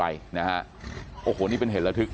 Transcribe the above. พี่บูรำนี้ลงมาแล้ว